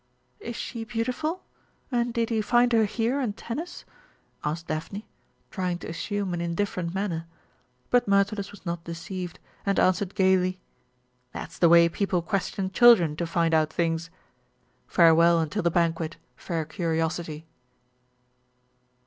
"Is she beautiful, and did he find her here in Tennis?" asked Daphne, trying to assume an indifferent manner; but Myrtilus was not deceived, and answered gaily: "That's the way people question children to find out things. Farewell until the banquet, fair curiosity!"